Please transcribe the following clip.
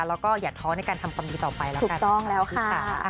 แล้วก็อย่าท้อในการทำความดีต่อไปแล้วกันถูกต้องแล้วค่ะ